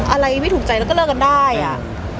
อะไรไม่ถูกใจแล้วก็เลิกกันได้อ่ะ